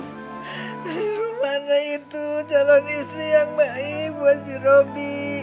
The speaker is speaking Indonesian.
si romana itu calon istri yang baik buat si robi